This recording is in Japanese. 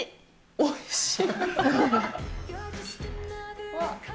おいしい。